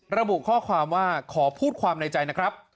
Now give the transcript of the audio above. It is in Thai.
ระบุข้อความว่าขอพูดความในใจนะครับ